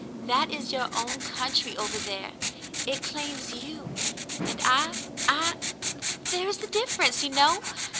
That is your own country over there. It claims you — and I — I — there is the difference, you know.